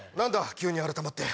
急に改まって。